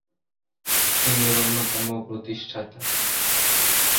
এর অন্যতম প্রতিষ্ঠাতা।